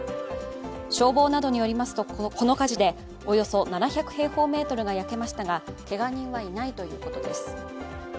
消防などによりますと、この火事でおよそ７００平方メートルが焼けましたが、けが人はいないということです。